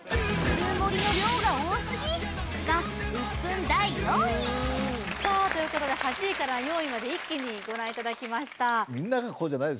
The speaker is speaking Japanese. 普通盛りの量が多すぎがウップン第４位さあということで８位から４位まで一気にご覧いただきました